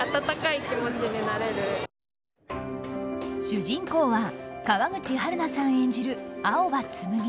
主人公は川口春奈さん演じる青羽紬。